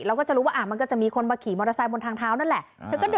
เราก็จะรู้ว่ามันก็จะมีคนมาขี่มอเตอร์ไซค์บนทางเท้านั่นแหละ